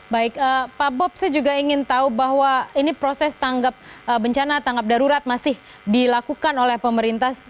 baik pak bob saya juga ingin tahu bahwa ini proses tanggap bencana tanggap darurat masih dilakukan oleh pemerintah